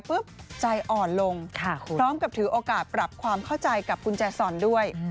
ใจอ่อนลงพร้อมกับถือโอกาสปรับความเข้าใจกับกุญแจซอนด้วย